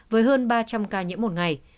với hơn ba trăm linh ca nhiễm một ngày